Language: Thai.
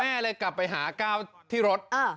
แม่เลยกลับไปหาก้าวที่รถ